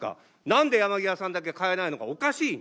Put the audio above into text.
なんで山際さんだけ代えないのか、おかしい。